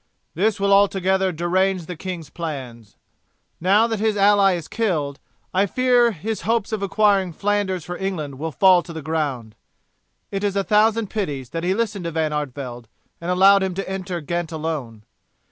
"This will altogether derange the king's plans. Now that his ally is killed I fear that his hopes of acquiring Flanders for England will fall to the ground. It is a thousand pities that he listened to Van Artevelde and allowed him to enter Ghent alone.